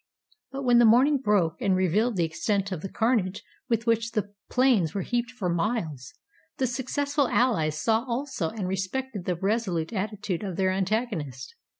But when the morning broke and revealed the extent of the carnage with which the plains were heaped for miles, the successful alHes saw also and respected the resolute attitude of their antagonist.